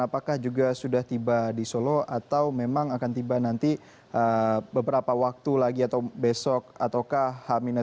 apakah juga sudah tiba di solo atau memang akan tiba nanti beberapa waktu lagi atau besok ataukah h tiga